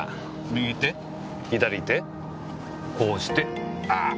右手左手こうしてああー！